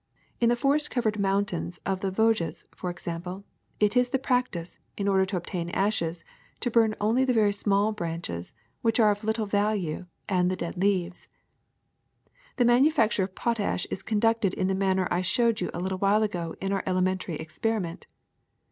In the forest covered mountains of the Vosges, for example, it is the practice, in order to ob tain ashes, to burn only the very small branches, which are of little value, and the dead leaves. ^^The manufacture of potash is conducted in the manner I showed you a little while ago in our elemen tary experiment.